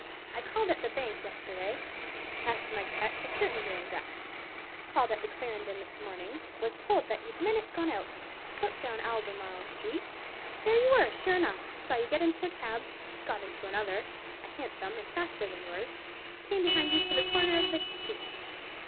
I called at the bank yesterday, cashed my cheques, ascertained your address; called at the Clarendon this morning, was told you'd that minute gone out; looked down Albemarle Street; there you were, sure enough; saw you get into a cab; got into another—a Hansom, and faster than yours—came behind you to the corner of this street."